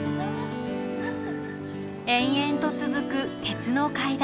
延々と続く鉄の階段。